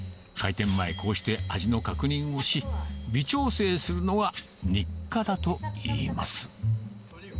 開店前、こうして味の確認をし、微調整するのが、日課だといいます。